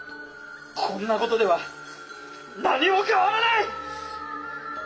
こんなことでは何も変わらない！